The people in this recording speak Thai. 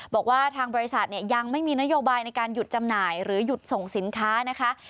บอกว่าทางบริษัทเนี่ยยังไม่มีนโยบายในการหยุดจำหน่ายหรือหยุดส่งสินค้านะคะ